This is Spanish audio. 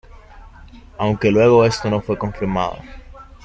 Aunque luego esto no fue confirmado.